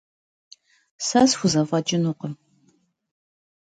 Сэ схузэфэкӏынукъым.